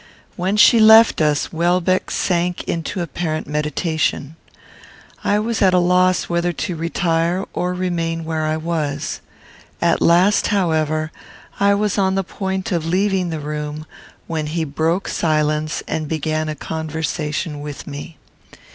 When she left us, Welbeck sank into apparent meditation. I was at a loss whether to retire or remain where I was. At last, however, I was on the point of leaving the room, when he broke silence and began a conversation with me.